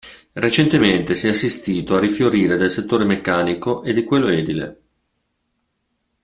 Recentemente si è assistito al rifiorire del settore meccanico e di quello edile.